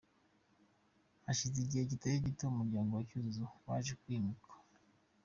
Hashize igihe kitari gito umuryango wa Cyuzuzo waje kwimuka .